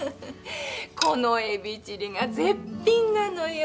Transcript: このエビチリが絶品なのよ。